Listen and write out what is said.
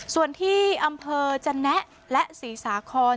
ส่วนที่อำเภอจันแนะและศรีสาคร